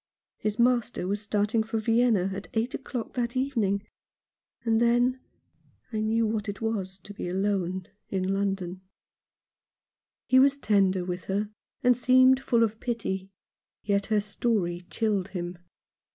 His master was starting for Vienna at eight o'clock that evening. And then I knew what it was to be alone in London." 44 Alone in London. He was tender with her, and seemed full of pity, yet her story chilled him.